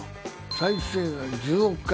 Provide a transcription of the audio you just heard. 再生１０億回。